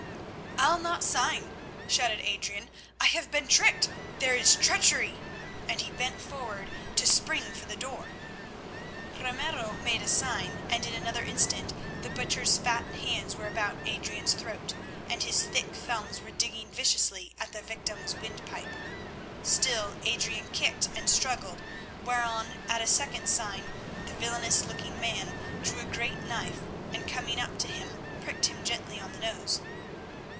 "I'll not sign!" shouted Adrian. "I have been tricked! There is treachery!" and he bent forward to spring for the door. Ramiro made a sign, and in another instant the Butcher's fat hands were about Adrian's throat, and his thick thumbs were digging viciously at the victim's windpipe. Still Adrian kicked and struggled, whereon, at a second sign, the villainous looking man drew a great knife, and, coming up to him, pricked him gently on the nose.